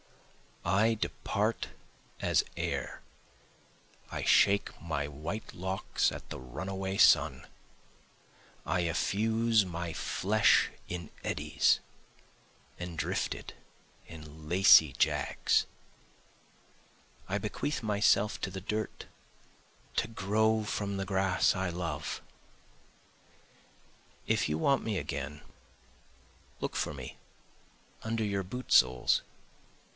I depart as air, I shake my white locks at the runaway sun, I effuse my flesh in eddies, and drift it in lacy jags. I bequeath myself to the dirt to grow from the grass I love, If you want me again look for me under your boot soles.